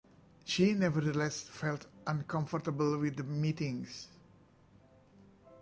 She nevertheless felt uncomfortable with the meetings.